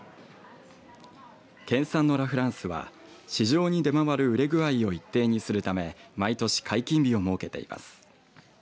県産のラ・フランスは市場に出回る熟れ具合を一定にするため毎年、解禁日を設けています。